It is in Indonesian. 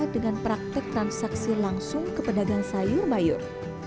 dengan praktek transaksi langsung ke pedagang sayur mayur